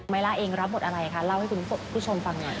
ล่าเองรับบทอะไรคะเล่าให้คุณผู้ชมฟังหน่อย